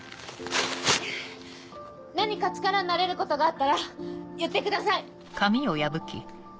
何か力になれることがあったら言ってください！